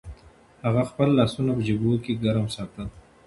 هغه خپل لاسونه په جېبونو کې ګرم ساتل.